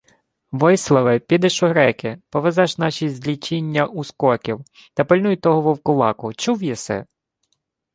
— Войславе, підеш у греки. Повезеш наші злічіння ускоків. Та пильнуй того вовкулаку. Чув єси?